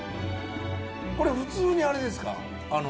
これ普通にあれですか？